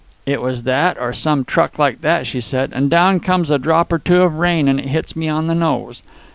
It was that, or some truck like that, she said. And down comes a drop or two of rain and hits me on the nose.